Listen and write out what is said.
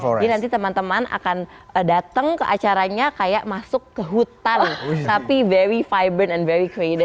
jadi nanti teman teman akan datang ke acaranya kayak masuk ke hutan tapi very vibrant and very creative gitu